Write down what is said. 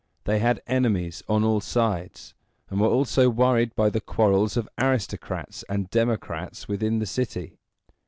They had enemies on all sides, and were also worried by the quarrels of aristocrats and democrats within the city.